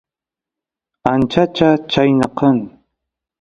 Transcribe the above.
achacha chayna kan